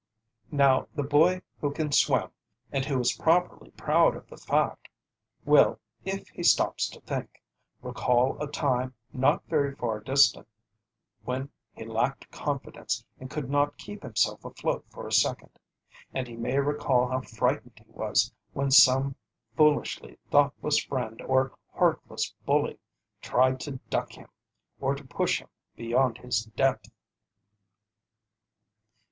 Now, the boy who can swim, and who is properly proud of the fact, will, if he stops to think, recall a time not very far distant when he lacked confidence and could not keep himself afloat for a second. And he may recall how frightened he was when some foolishly thoughtless friend or heartless bully tried to duck him, or to push him beyond his depth.